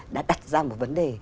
đã đặt ra một vấn đề